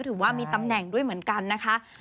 ถือว่ามีตำแหน่งด้วยเหมือนกันนะคะ